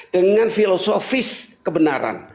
dengan filosofis kebenaran